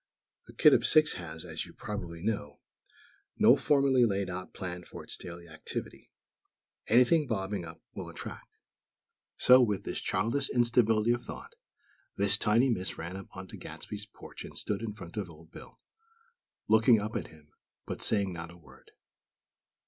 A kid of six has, as you probably know, no formally laid out plan for its daily activity; anything bobbing up will attract. So, with this childish instability of thought, this tiny miss ran up onto Gadsby's porch and stood in front of Old Bill, looking up at him, but saying not a word.